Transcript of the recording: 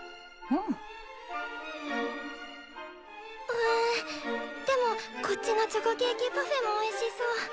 うんでもこっちのチョコケーキパフェもおいしそう。